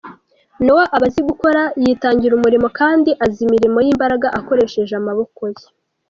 Noah aba azi gukora, yitangira umurimo, kandi azi imirimo y’imbaraga akoresheje amaboko ye.